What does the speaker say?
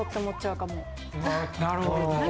なるほどね。